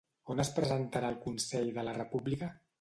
On es presentarà el Consell de la República?